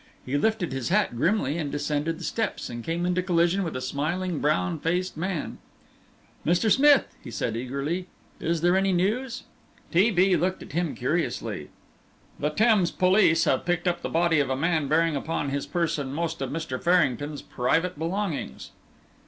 He lifted his hat grimly and descended the steps, and came into collision with a smiling, brown faced man. "Mr. Smith!" he said, eagerly, "is there any news?" T. B. looked at him curiously. "The Thames police have picked up the body of a man bearing upon his person most of Mr. Farrington's private belongings."